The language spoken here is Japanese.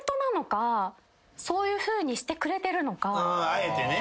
あえてね。